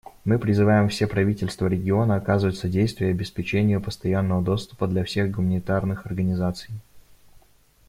Мы призывам все правительства региона оказывать содействие обеспечению постоянного доступа для всех гуманитарных организаций.